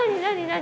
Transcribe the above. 何？